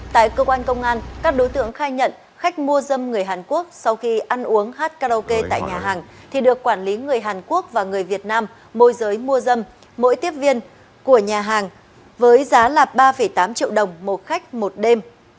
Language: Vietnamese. tại cơ quan công an các đối tượng khai nhận khách mua dâm người hàn quốc sau khi ăn uống hát karaoke tại nhà hàng thì được quản lý người hàn quốc và người việt nam môi giới mua dâm mỗi tiếp viên của nhà hàng với giá là ba tám triệu đồng một khách một đêm